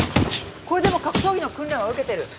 これでも格闘技の訓練は受けてる。